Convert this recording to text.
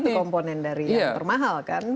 salah satu komponen dari yang termahal kan